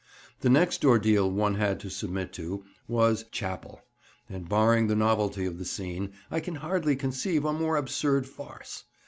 The next ordeal one had to submit to was "Chapel," and, barring the novelty of the scene, I can hardly conceive a more absurd farce.